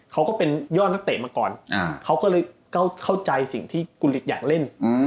เขาก็เป็นยอดนักเตะมาก่อนเขาก็เลยเข้าใจสิ่งที่คุณฤทธิอยากเล่น